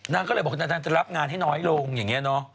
นางก็เลยบอกนางจะรับงานให้น้อยลงอย่างนี้เนอะ